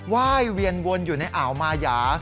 ว่ายเวียนวนอยู่ในอ่าวมายา